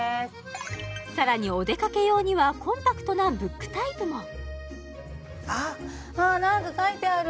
さらにお出かけ用にはコンパクトなブックタイプもかわいい！